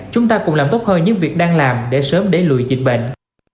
chúng ta cùng làm tốt hơn những việc đang làm để sớm đẩy lùi dịch bệnh